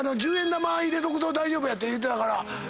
玉入れとくと大丈夫やって言うてたから。